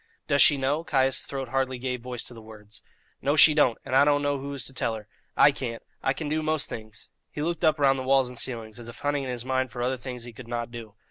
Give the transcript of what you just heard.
"Does she know?" Caius' throat hardly gave voice to the words. "No, she don't; and I don't know who is to tell her. I can't. I can do most things." He looked up round the walls and ceiling, as if hunting in his mind for other things he could not do.